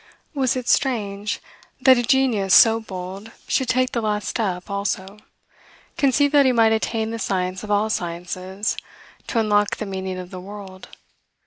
Was it strange that a genius so bold should take the last step, also, conceive that he might attain the science of all sciences, to unlock the meaning of the world?